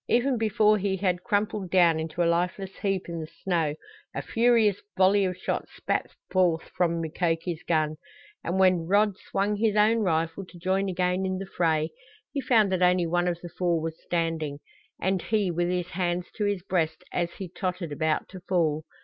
Even before he had crumpled down into a lifeless heap in the snow a furious volley of shots spat forth from Mukoki's gun, and when Rod swung his own rifle to join again in the fray he found that only one of the four was standing, and he with his hands to his breast as he tottered about to fall.